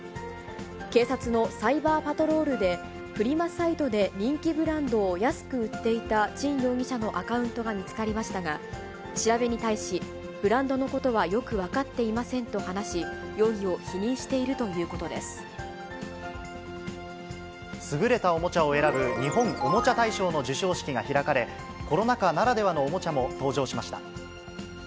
警察のサイバーパトロールでフリマサイトで人気ブランドを安く売っていたチン容疑者のアカウントが見つかりましたが、調べに対し、ブランドのことはよく分かっていませんと話し、容疑を否認してい優れたおもちゃを選ぶ日本おもちゃ大賞の授賞式が開かれ、コロナ禍ならではのおもちゃも登場しました。